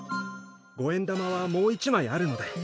五円玉はもう一枚あるので。